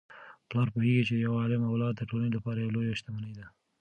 پلار پوهیږي چي یو عالم اولاد د ټولنې لپاره لویه شتمني ده.